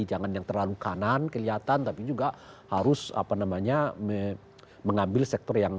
jangan yang terlalu kanan kelihatan tapi juga harus mengambil sektor yang